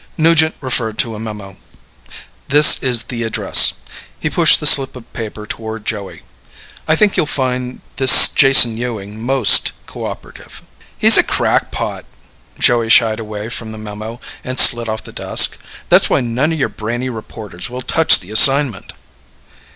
Nugent referred to a memo. "This is the address." He pushed the slip of paper toward Joey. "I think you'll find this Jason Ewing most cooperative." "He's a crackpot." Joey shied away from the memo and slid off the desk. "That's why none of your brainy reporters will touch the assignment."